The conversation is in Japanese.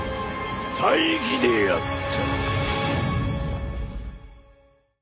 大儀であった。